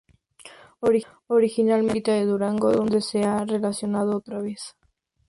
Originalmente descrita de Durango, donde no se ha recolectado otra vez.